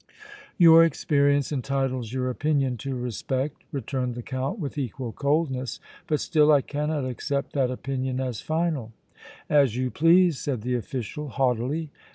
"Your experience entitles your opinion to respect," returned the Count, with equal coldness, "but still I cannot accept that opinion as final." "As you please," said the official, haughtily.